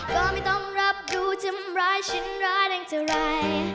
ก็ไม่ต้องรับรู้ทำร้ายฉันร้ายแรงเท่าไร